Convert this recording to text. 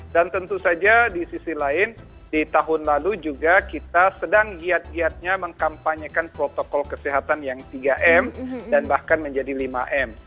dan tentu saja di sisi lain di tahun lalu juga kita sedang giat giatnya mengkampanyekan protokol kesehatan yang tiga m dan bahkan menjadi lima m